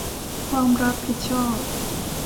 ความรับผิดชอบ